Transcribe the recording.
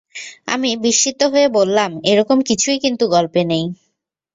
আমি বিস্মিত হয়ে বললাম, এ-রকম কিছুই কিন্তু গল্পে নেই।